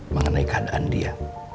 mengenai keadaan dia